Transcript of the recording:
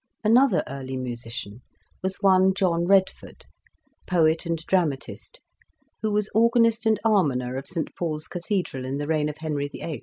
Another early musician was one John Red ford, poet and dramatist, who was organist and almoner of St Paul's Cathedral in the reign of Henry VIII.